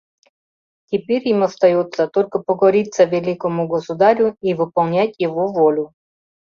Теперь им остаётся только покориться великому государю и выполнять его волю.